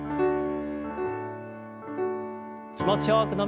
気持ちよく伸びをして。